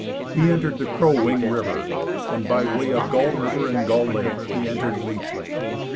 He entered the Crow Wing river, and by the way of Gull river and Gull lake he entered Leech lake.